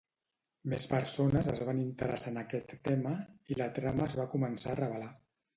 Més persones es van interessar en aquest tema i la trama es va començar a revelar.